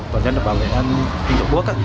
và nhân vật bảo lý an ninh trật buộc